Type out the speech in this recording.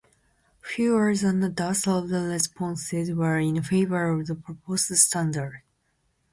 Fewer than a dozen of the responses were in favor of the proposed standard.